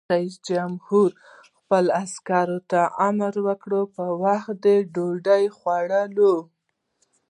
رئیس جمهور خپلو عسکرو ته امر وکړ؛ په وخت ډوډۍ وخورئ!